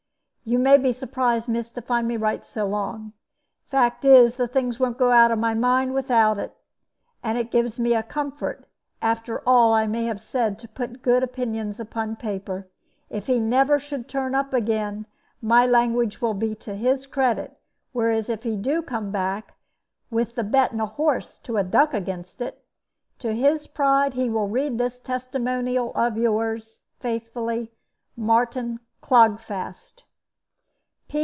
"You may be surprised, miss, to find me write so long. Fact is, the things won't go out of my mind without it. And it gives me a comfort, after all I may have said, to put good opinions upon paper. If he never should turn up again, my language will be to his credit; whereas if he do come back, with the betting a horse to a duck against it, to his pride he will read this testimonial of yours, faithfully, MARTIN CLOGFAST.